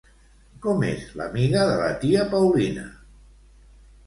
Com és l'amiga de la tia Paulina?